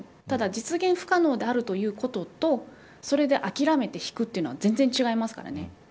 ただ、実現不可能であるということとそれで諦めて引くというのは全然違いますからね。